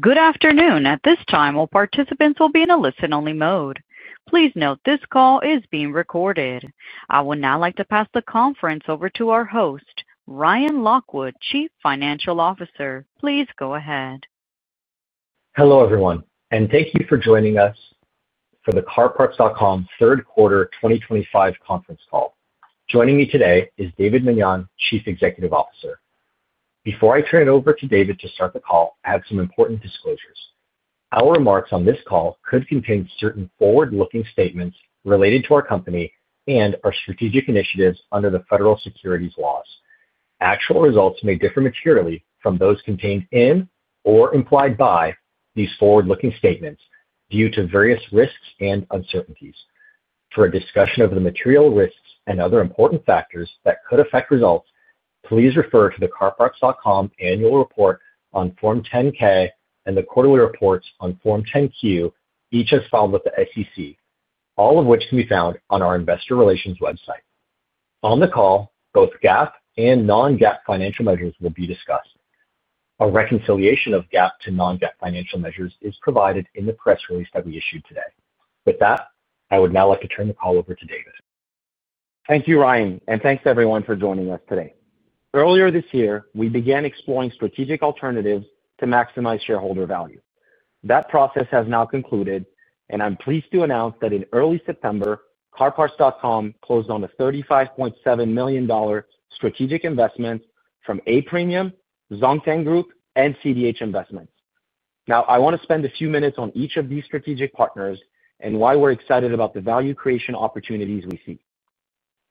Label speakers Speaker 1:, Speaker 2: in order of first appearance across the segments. Speaker 1: Good afternoon. At this time, all participants will be in a listen-only mode. Please note this call is being recorded. I would now like to pass the conference over to our host, Ryan Lockwood, Chief Financial Officer. Please go ahead.
Speaker 2: Hello, everyone, and thank you for joining us for the CarParts.com Third Quarter 2025 conference call. Joining me today is David Meniane, Chief Executive Officer. Before I turn it over to David to start the call, I have some important disclosures. Our remarks on this call could contain certain forward-looking statements related to our company and our strategic initiatives under the federal securities laws. Actual results may differ materially from those contained in or implied by these forward-looking statements due to various risks and uncertainties. For a discussion of the material risks and other important factors that could affect results, please refer to the CarParts.com annual report on Form 10-K and the quarterly reports on Form 10-Q, each as filed with the SEC, all of which can be found on our Investor Relations website. On the call, both GAAP and non-GAAP financial measures will be discussed. A reconciliation of GAAP to non-GAAP financial measures is provided in the press release that we issued today. With that, I would now like to turn the call over to David.
Speaker 3: Thank you, Ryan, and thanks, everyone, for joining us today. Earlier this year, we began exploring strategic alternatives to maximize shareholder value. That process has now concluded, and I'm pleased to announce that in early September, CarParts.com closed on a $35.7 million strategic investment from A-Premium, Zongteng Group, and CDH Investments. Now, I want to spend a few minutes on each of these strategic partners and why we're excited about the value creation opportunities we see.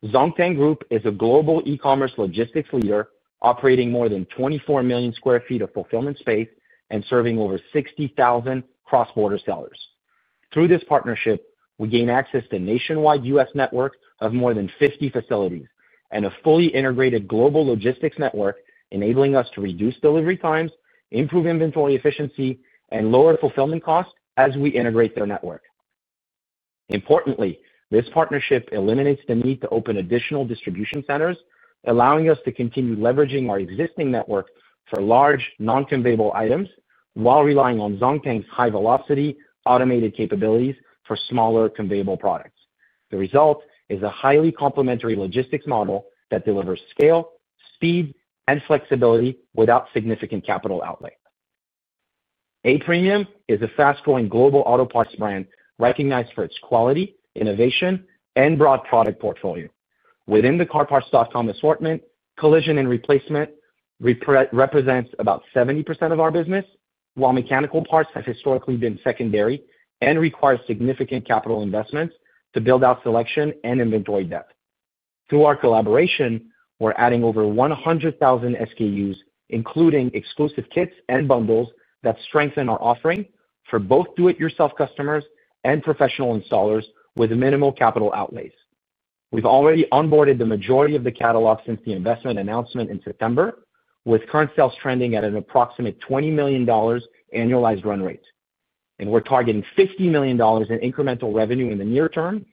Speaker 3: Zongteng Group is a global e-commerce logistics leader operating more than 24 million square feet of fulfillment space and serving over 60,000 cross-border sellers. Through this partnership, we gain access to a nationwide U.S. network of more than 50 facilities and a fully integrated global logistics network, enabling us to reduce delivery times, improve inventory efficiency, and lower fulfillment costs as we integrate their network. Importantly, this partnership eliminates the need to open additional distribution centers, allowing us to continue leveraging our existing network for large non-conveyable items while relying on Zongteng's high-velocity automated capabilities for smaller conveyable products. The result is a highly complementary logistics model that delivers scale, speed, and flexibility without significant capital outlay. A-Premium is a fast-growing global auto parts brand recognized for its quality, innovation, and broad product portfolio. Within the CarParts.com assortment, collision and replacement represents about 70% of our business, while mechanical parts have historically been secondary and require significant capital investments to build out selection and inventory depth. Through our collaboration, we're adding over 100,000 SKUs, including exclusive kits and bundles that strengthen our offering for both do-it-yourself customers and professional installers with minimal capital outlays. We've already onboarded the majority of the catalog since the investment announcement in September, with current sales trending at an approximate $20 million annualized run rate. And we're targeting $50 million in incremental revenue in the near term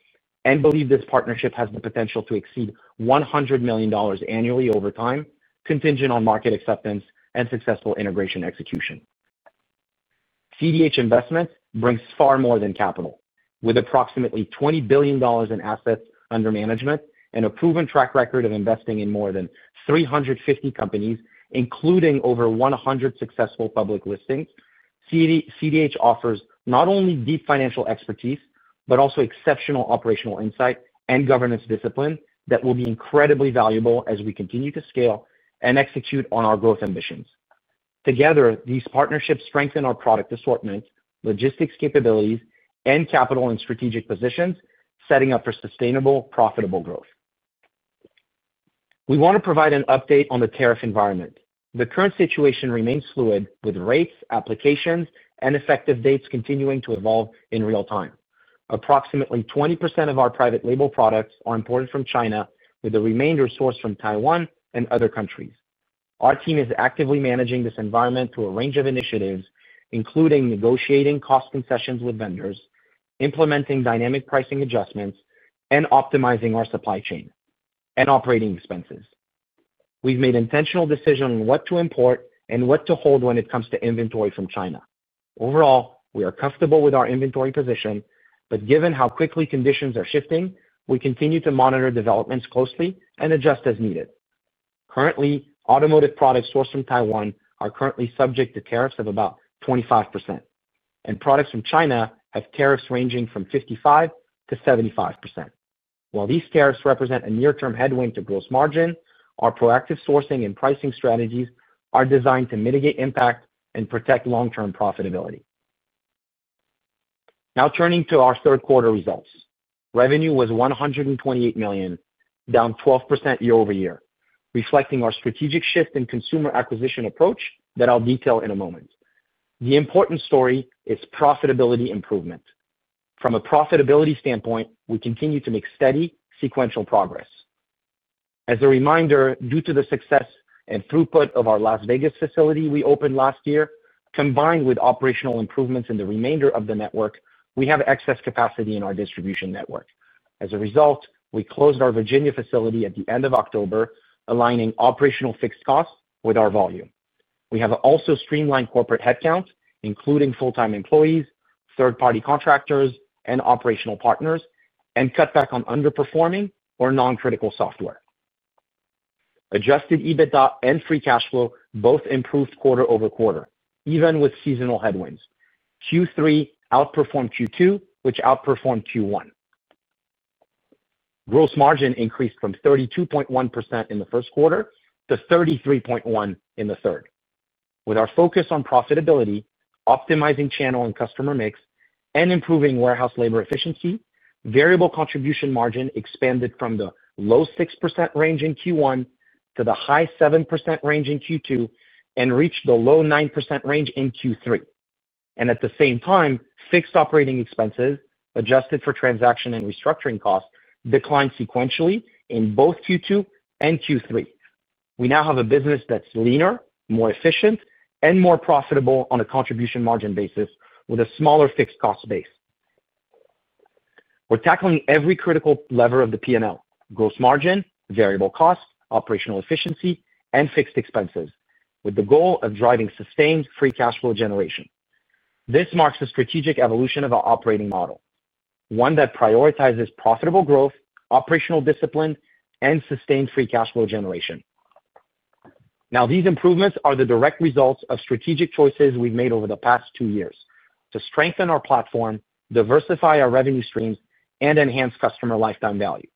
Speaker 3: and believe this partnership has the potential to exceed $100 million annually over time, contingent on market acceptance and successful integration execution. CDH Investments brings far more than capital. With approximately $20 billion in assets under management and a proven track record of investing in more than 350 companies, including over 100 successful public listings, CDH offers not only deep financial expertise but also exceptional operational insight and governance discipline that will be incredibly valuable as we continue to scale and execute on our growth ambitions. Together, these partnerships strengthen our product assortment, logistics capabilities, and capital and strategic positions, setting up for sustainable, profitable growth. We want to provide an update on the tariff environment. The current situation remains fluid, with rates, applications, and effective dates continuing to evolve in real time. Approximately 20% of our private label products are imported from China, with the remainder sourced from Taiwan and other countries. Our team is actively managing this environment through a range of initiatives, including negotiating cost concessions with vendors, implementing dynamic pricing adjustments, and optimizing our supply chain and operating expenses. We've made intentional decisions on what to import and what to hold when it comes to inventory from China. Overall, we are comfortable with our inventory position, but given how quickly conditions are shifting, we continue to monitor developments closely and adjust as needed. Currently, automotive products sourced from Taiwan are currently subject to tariffs of about 25%, and products from China have tariffs ranging from 55%-75%. While these tariffs represent a near-term headwind to gross margin, our proactive sourcing and pricing strategies are designed to mitigate impact and protect long-term profitability. Now, turning to our third-quarter results, revenue was $128 million, down 12% year-over-year, reflecting our strategic shift in consumer acquisition approach that I'll detail in a moment. The important story is profitability improvement. From a profitability standpoint, we continue to make steady, sequential progress. As a reminder, due to the success and throughput of our Las Vegas facility we opened last year, combined with operational improvements in the remainder of the network, we have excess capacity in our distribution network. As a result, we closed our Virginia facility at the end of October, aligning operational fixed costs with our volume. We have also streamlined corporate headcount, including full-time employees, third-party contractors, and operational partners, and cut back on underperforming or non-critical software. Adjusted EBITDA and free cash flow both improved quarter over quarter, even with seasonal headwinds. Q3 outperformed Q2, which outperformed Q1. Gross margin increased from 32.1% in the first quarter to 33.1% in the third. With our focus on profitability, optimizing channel and customer mix, and improving warehouse labor efficiency, variable contribution margin expanded from the low 6% range in Q1 to the high 7% range in Q2 and reached the low 9% range in Q3. And at the same time, fixed operating expenses, adjusted for transaction and restructuring costs, declined sequentially in both Q2 and Q3. We now have a business that's leaner, more efficient, and more profitable on a contribution margin basis with a smaller fixed cost base. We're tackling every critical lever of the P&L: gross margin, variable costs, operational efficiency, and fixed expenses, with the goal of driving sustained free cash flow generation. This marks a strategic evolution of our operating model, one that prioritizes profitable growth, operational discipline, and sustained free cash flow generation. Now, these improvements are the direct results of strategic choices we've made over the past two years to strengthen our platform, diversify our revenue streams, and enhance customer lifetime value.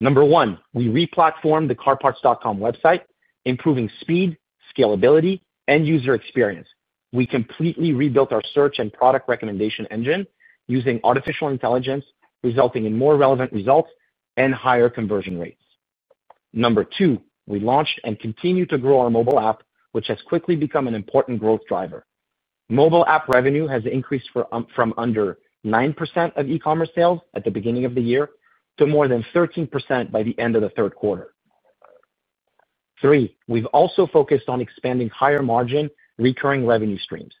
Speaker 3: Number one, we re-platformed the CarParts.com website, improving speed, scalability, and user experience. We completely rebuilt our search and product recommendation engine using artificial intelligence, resulting in more relevant results and higher conversion rates. Number two, we launched and continue to grow our mobile app, which has quickly become an important growth driver. Mobile app revenue has increased from under 9% of e-commerce sales at the beginning of the year to more than 13% by the end of the third quarter. Three, we've also focused on expanding higher margin recurring revenue streams.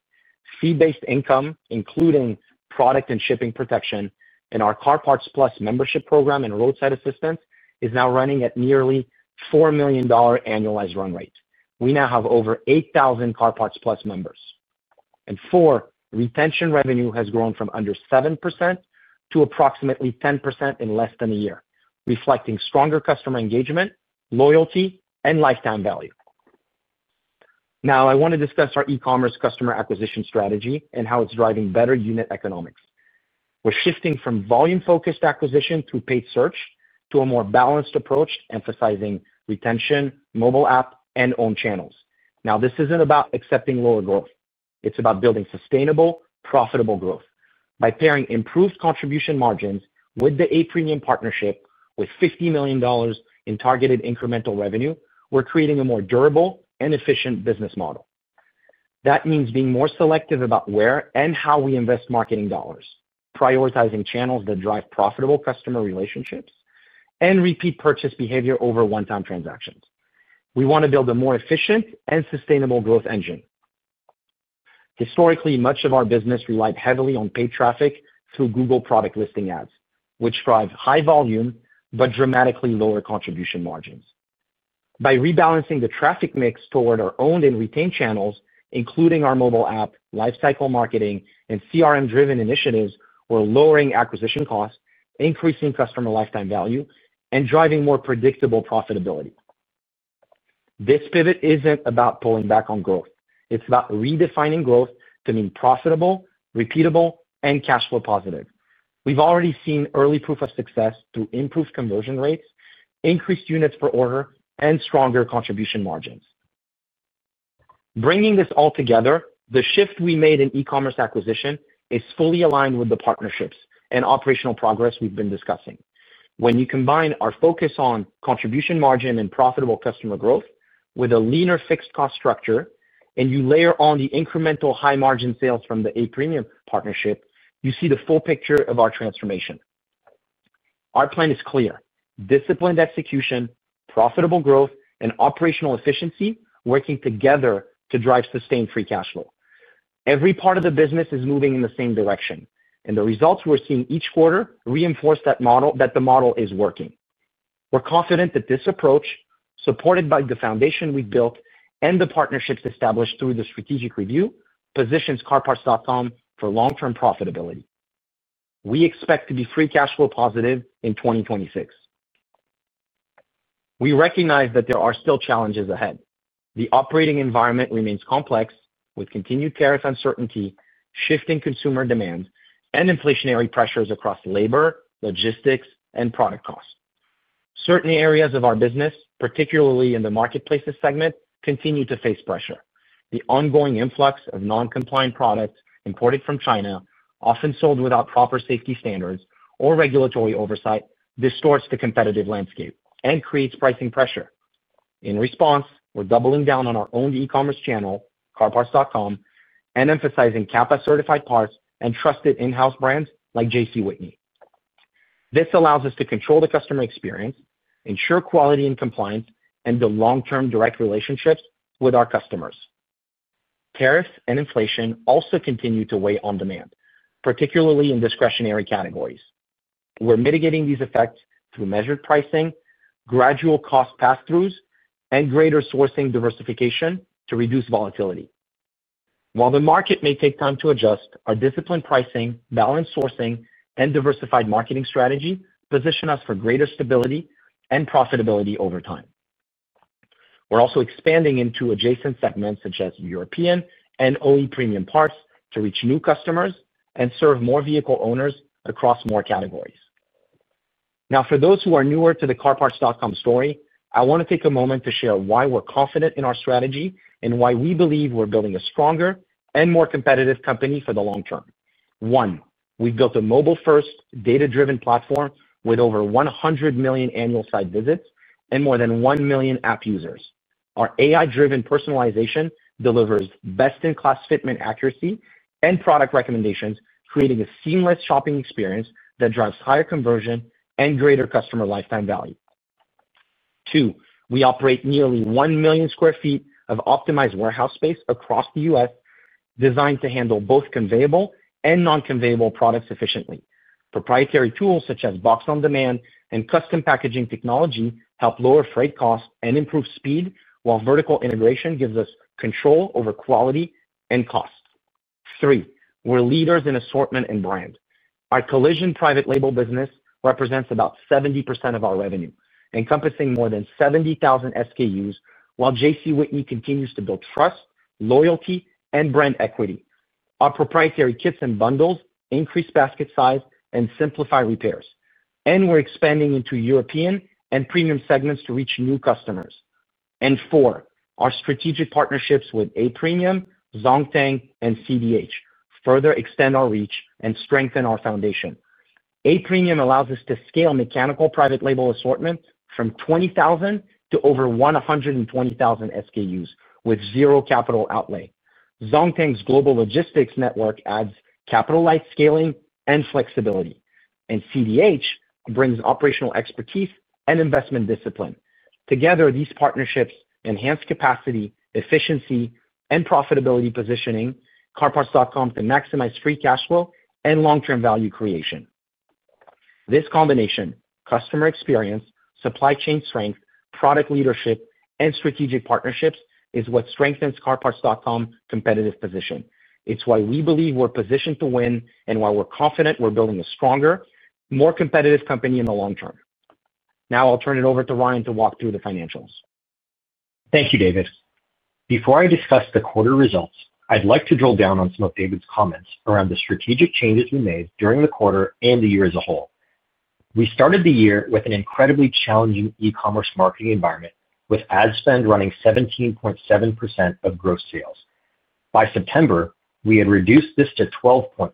Speaker 3: Fee-based income, including product and shipping protection, and our CarParts+ membership program and roadside assistance is now running at nearly $4 million annualized run rate. We now have over 8,000 CarParts+ members. And four, retention revenue has grown from under 7% to approximately 10% in less than a year, reflecting stronger customer engagement, loyalty, and lifetime value. Now, I want to discuss our e-commerce customer acquisition strategy and how it's driving better unit economics. We're shifting from volume-focused acquisition through paid search to a more balanced approach emphasizing retention, mobile app, and own channels. Now, this isn't about accepting lower growth. It's about building sustainable, profitable growth. By pairing improved contribution margins with the A-Premium partnership with $50 million in targeted incremental revenue, we're creating a more durable and efficient business model. That means being more selective about where and how we invest marketing dollars, prioritizing channels that drive profitable customer relationships, and repeat purchase behavior over one-time transactions. We want to build a more efficient and sustainable growth engine. Historically, much of our business relied heavily on paid traffic through Google product listing ads, which drive high volume but dramatically lower contribution margins. By rebalancing the traffic mix toward our owned and retained channels, including our mobile app, lifecycle marketing, and CRM-driven initiatives, we're lowering acquisition costs, increasing customer lifetime value, and driving more predictable profitability. This pivot isn't about pulling back on growth. It's about redefining growth to mean profitable, repeatable, and cash flow positive. We've already seen early proof of success through improved conversion rates, increased units per order, and stronger contribution margins. Bringing this all together, the shift we made in e-commerce acquisition is fully aligned with the partnerships and operational progress we've been discussing. When you combine our focus on contribution margin and profitable customer growth with a leaner fixed cost structure, and you layer on the incremental high-margin sales from the A-Premium partnership, you see the full picture of our transformation. Our plan is clear: disciplined execution, profitable growth, and operational efficiency working together to drive sustained free cash flow. Every part of the business is moving in the same direction, and the results we're seeing each quarter reinforce that model that the model is working. We're confident that this approach, supported by the foundation we've built and the partnerships established through the strategic review, positions CarParts.com for long-term profitability. We expect to be free cash flow positive in 2026. We recognize that there are still challenges ahead. The operating environment remains complex, with continued tariff uncertainty, shifting consumer demand, and inflationary pressures across labor, logistics, and product costs. Certain areas of our business, particularly in the marketplaces segment, continue to face pressure. The ongoing influx of non-compliant products imported from China, often sold without proper safety standards or regulatory oversight, distorts the competitive landscape and creates pricing pressure. In response, we're doubling down on our owned e-commerce channel, CarParts.com, and emphasizing CAPA-certified parts and trusted in-house brands like JC Whitney. This allows us to control the customer experience, ensure quality and compliance, and build long-term direct relationships with our customers. Tariffs and inflation also continue to weigh on demand, particularly in discretionary categories. We're mitigating these effects through measured pricing, gradual cost pass-throughs, and greater sourcing diversification to reduce volatility. While the market may take time to adjust, our disciplined pricing, balanced sourcing, and diversified marketing strategy position us for greater stability and profitability over time. We're also expanding into adjacent segments such as European and OE Premium parts to reach new customers and serve more vehicle owners across more categories. Now, for those who are newer to the CarParts.com story, I want to take a moment to share why we're confident in our strategy and why we believe we're building a stronger and more competitive company for the long term. One, we've built a mobile-first, data-driven platform with over 100 million annual site visits and more than 1 million app users. Our AI-driven personalization delivers best-in-class fitment accuracy and product recommendations, creating a seamless shopping experience that drives higher conversion and greater customer lifetime value. Two, we operate nearly 1 million square feet of optimized warehouse space across the US, designed to handle both conveyable and non-conveyable products efficiently. Proprietary tools such as box-on-demand and custom packaging technology help lower freight costs and improve speed, while vertical integration gives us control over quality and cost. Three, we're leaders in assortment and brand. Our collision private label business represents about 70% of our revenue, encompassing more than 70,000 SKUs, while JC Whitney continues to build trust, loyalty, and brand equity. Our proprietary kits and bundles increase basket size and simplify repairs, and we're expanding into European and Premium segments to reach new customers. And four, our strategic partnerships with A-Premium, ZongTeng, and CDH further extend our reach and strengthen our foundation. A-Premium allows us to scale mechanical private label assortment from 20,000-120,000 SKUs with zero capital outlay. ZongTeng's global logistics network adds capital light scaling and flexibility, and CDH brings operational expertise and investment discipline. Together, these partnerships enhance capacity, efficiency, and profitability positioning CarParts.com to maximize free cash flow and long-term value creation. This combination—customer experience, supply chain strength, product leadership, and strategic partnerships—is what strengthens CarParts.com's competitive position. It's why we believe we're positioned to win and why we're confident we're building a stronger, more competitive company in the long term. Now, I'll turn it over to Ryan to walk through the financials.
Speaker 2: Thank you, David. Before I discuss the quarter results, I'd like to drill down on some of David's comments around the strategic changes we made during the quarter and the year as a whole. We started the year with an incredibly challenging e-commerce marketing environment, with ad spend running 17.7% of gross sales. By September, we had reduced this to 12.5%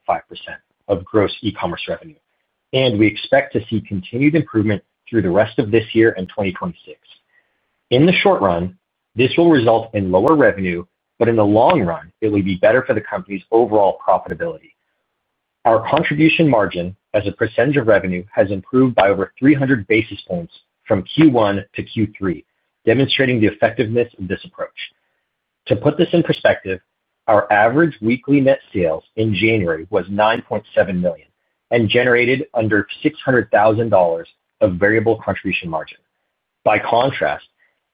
Speaker 2: of gross e-commerce revenue, and we expect to see continued improvement through the rest of this year and 2026. In the short run, this will result in lower revenue, but in the long run, it will be better for the company's overall profitability. Our contribution margin as a percentage of revenue has improved by over 300 basis points from Q1 to Q3, demonstrating the effectiveness of this approach. To put this in perspective, our average weekly net sales in January was 9.7 million and generated under $600,000 of variable contribution margin. By contrast,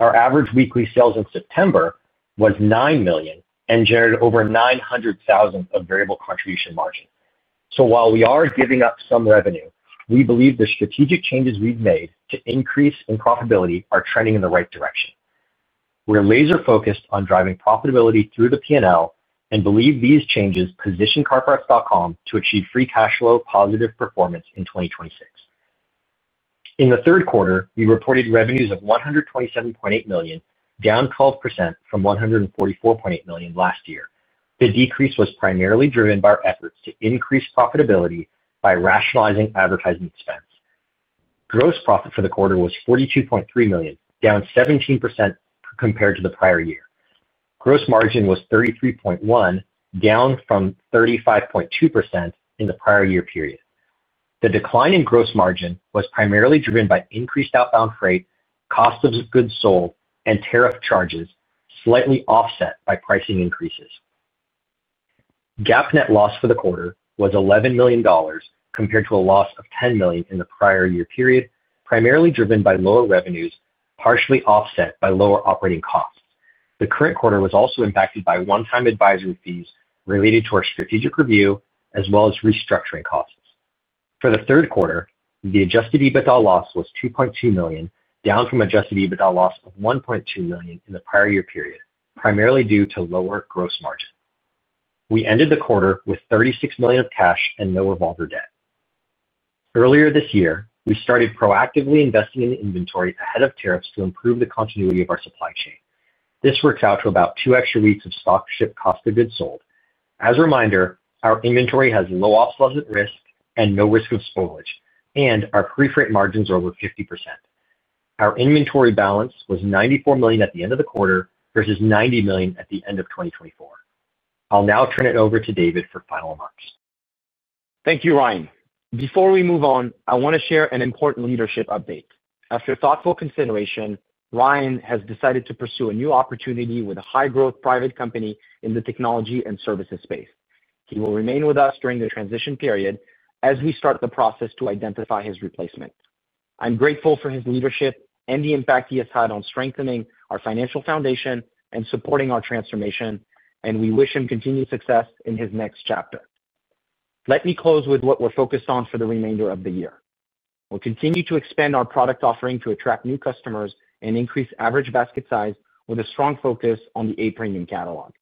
Speaker 2: our average weekly sales in September was 9 million and generated over 900,000 of variable contribution margin. So while we are giving up some revenue, we believe the strategic changes we've made to increase in profitability are trending in the right direction. We're laser-focused on driving profitability through the P&L and believe these changes position CarParts.com to achieve free cash flow positive performance in 2026. In the third quarter, we reported revenues of 127.8 million, down 12% from 144.8 million last year. The decrease was primarily driven by our efforts to increase profitability by rationalizing advertising expense. Gross profit for the quarter was 42.3 million, down 17% compared to the prior year. Gross margin was 33.1, down from 35.2% in the prior year period. The decline in gross margin was primarily driven by increased outbound freight, cost of goods sold, and tariff charges, slightly offset by pricing increases. GAAP net loss for the quarter was $11 million compared to a loss of $10 million in the prior year period, primarily driven by lower revenues, partially offset by lower operating costs. The current quarter was also impacted by one-time advisory fees related to our strategic review, as well as restructuring costs. For the third quarter, the adjusted EBITDA loss was 2.2 million, down from adjusted EBITDA loss of 1.2 million in the prior year period, primarily due to lower gross margin. We ended the quarter with 36 million of cash and no revolver debt. Earlier this year, we started proactively investing in inventory ahead of tariffs to improve the continuity of our supply chain. This works out to about two extra weeks of stock ship cost of goods sold. As a reminder, our inventory has low obsolescence risk and no risk of spoilage, and our pre-freight margins are over 50%. Our inventory balance was 94 million at the end of the quarter versus 90 million at the end of 2024. I'll now turn it over to David for final remarks.
Speaker 3: Thank you, Ryan. Before we move on, I want to share an important leadership update. After thoughtful consideration, Ryan has decided to pursue a new opportunity with a high-growth private company in the technology and services space. He will remain with us during the transition period as we start the process to identify his replacement. I'm grateful for his leadership and the impact he has had on strengthening our financial foundation and supporting our transformation, and we wish him continued success in his next chapter. Let me close with what we're focused on for the remainder of the year. We'll continue to expand our product offering to attract new customers and increase average basket size with a strong focus on the A-Premium catalog.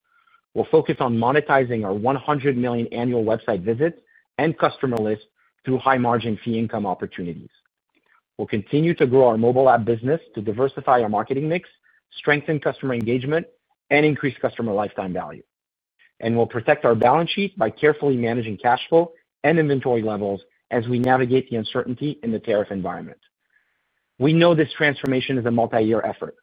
Speaker 3: We'll focus on monetizing our 100 million annual website visits and customer list through high-margin fee income opportunities. We'll continue to grow our mobile app business to diversify our marketing mix, strengthen customer engagement, and increase customer lifetime value. And we'll protect our balance sheet by carefully managing cash flow and inventory levels as we navigate the uncertainty in the tariff environment. We know this transformation is a multi-year effort.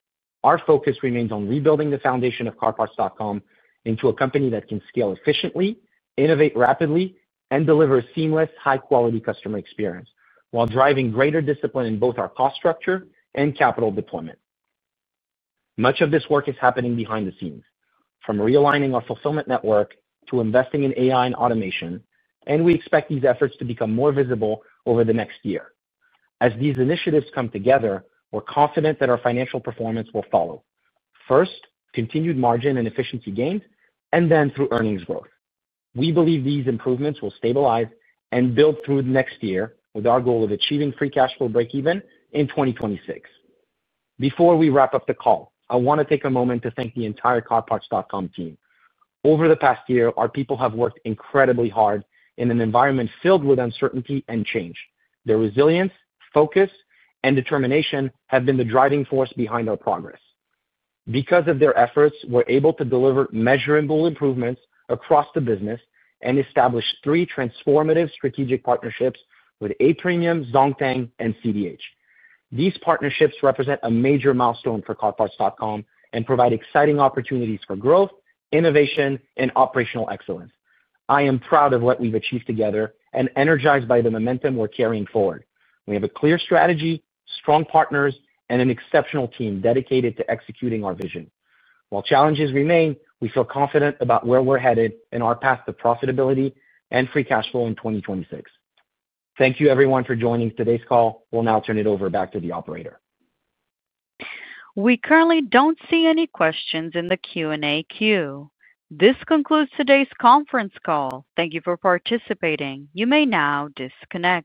Speaker 3: Our focus remains on rebuilding the foundation of CarParts.com into a company that can scale efficiently, innovate rapidly, and deliver a seamless, high-quality customer experience while driving greater discipline in both our cost structure and capital deployment. Much of this work is happening behind the scenes, from realigning our fulfillment network to investing in AI and automation, and we expect these efforts to become more visible over the next year. As these initiatives come together, we're confident that our financial performance will follow. First, continued margin and efficiency gains, and then through earnings growth. We believe these improvements will stabilize and build through the next year with our goal of achieving free cash flow breakeven in 2026. Before we wrap up the call, I want to take a moment to thank the entire CarParts.com team. Over the past year, our people have worked incredibly hard in an environment filled with uncertainty and change. Their resilience, focus, and determination have been the driving force behind our progress. Because of their efforts, we're able to deliver measurable improvements across the business and establish three transformative strategic partnerships with A Premium, Zongtang, and CDH. These partnerships represent a major milestone for CarParts.com and provide exciting opportunities for growth, innovation, and operational excellence. I am proud of what we've achieved together and energized by the momentum we're carrying forward. We have a clear strategy, strong partners, and an exceptional team dedicated to executing our vision.
Speaker 1: While challenges remain, we feel confident about where we're headed and our path to profitability and free cash flow in 2026. Thank you, everyone, for joining today's call. We'll now turn it over back to the operator. We currently don't see any questions in the Q&A queue. This concludes today's conference call. Thank you for participating. You may now disconnect.